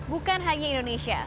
bukan hanya indonesia